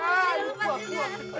kok kecap ah